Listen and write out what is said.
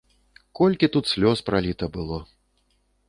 Колькі тут слёз праліта было!